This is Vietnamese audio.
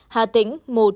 hà tĩnh một